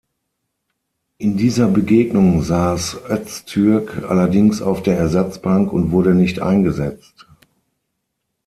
In dieser Begegnung saß Öztürk allerdings auf der Ersatzbank und wurde nicht eingesetzt.